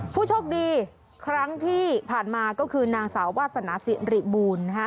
ผู้โชคดีครั้งที่ผ่านมาก็คือนางสาววาสนาสิริบูรณ์นะฮะ